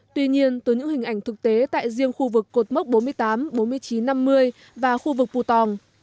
tuy nhiên từ những hình ảnh thực tế tại riêng khu vực cột mốc bốn mươi tám bốn nghìn chín trăm năm mươi và khu vực pù tòng